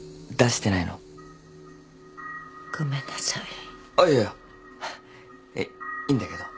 あっいやいっいいんだけど。